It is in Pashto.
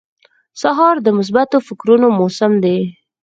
سهار د مثبتو فکرونو موسم دی.